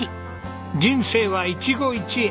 人生は一期一会。